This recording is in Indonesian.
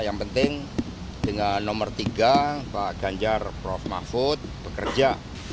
yang penting dengan nomor tiga pak ganjar prof mahfud bekerja